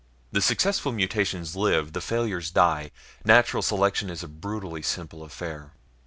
The successful mutations live, the failures die. Natural selection is a brutally simple affair.